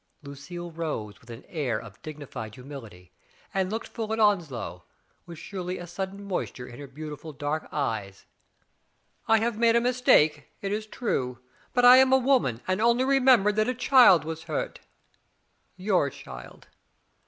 Lucille rose with an air of dignified humility, and looked full at Onslow, with surely a sudden moisture in her beautiful dark eyes. I have made a mistake, it is true. But, I am Digitized byCjOOQlC MAY CROMMELIN, 55 a woman, and only remembered that a child was hurt — your child!